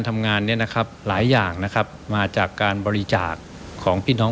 ทำงานเนี่ยนะครับหลายอย่างนะครับมาจากการบริจาคของพี่น้อง